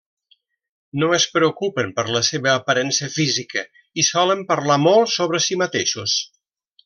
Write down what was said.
No es preocupen per la seva aparença física i solen parlar molt sobre si mateixos.